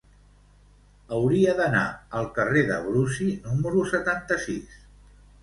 Hauria d'anar al carrer de Brusi número setanta-sis.